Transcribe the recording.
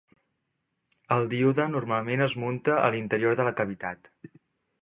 El díode normalment es munta a l'interior de la cavitat.